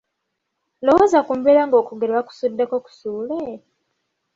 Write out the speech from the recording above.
Lowooza ku mbeera ng'okwogera bakusuddeko kusuule!